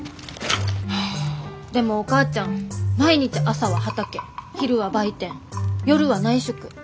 でもお母ちゃん毎日朝は畑昼は売店夜は内職。